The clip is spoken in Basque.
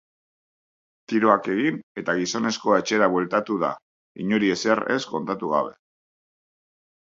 Tiroak egin eta gizonezkoa etxera bueltatu da, inori ezer ez kontatu gabe.